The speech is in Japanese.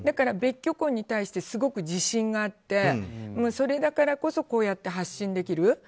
別居婚に対してすごく自信があってそれだからこそこうやって発信できる。